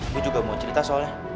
gue juga mau cerita soalnya